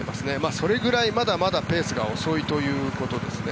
それぐらい、まだまだペースが遅いということですね。